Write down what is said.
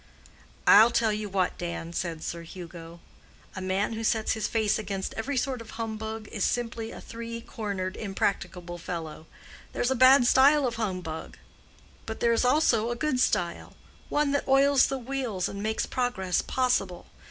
"I'll tell you what, Dan," said Sir Hugo, "a man who sets his face against every sort of humbug is simply a three cornered, impracticable fellow. There's a bad style of humbug, but there is also a good style—one that oils the wheels and makes progress possible.